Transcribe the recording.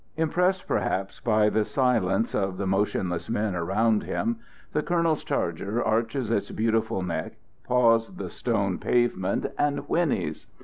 Impressed, perhaps, by the silence of the motionless men around him, the Colonel's charger arches his beautiful neck, paws the stone pavement and whinnies.